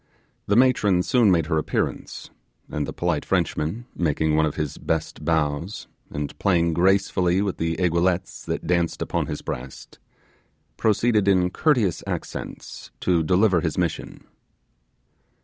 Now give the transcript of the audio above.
The matron soon made her appearance; and the polite Frenchman, making one of his best bows, and playing gracefully with the aiguillettes that danced upon his breast, proceeded in courteous accents to deliver his mission.